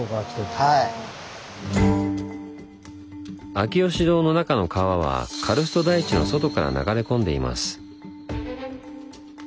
秋芳洞の中の川はカルスト台地の外から流れ込んでいます。